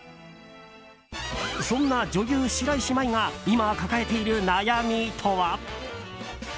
そんな女優・白石麻衣が今、抱えている悩みとは？